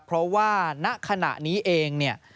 เพราะว่าณขณะนี้เองเนี่ย